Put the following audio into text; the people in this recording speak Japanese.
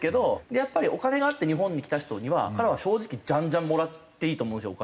やっぱりお金があって日本に来た人からは正直ジャンジャンもらっていいと思うんですよお金を。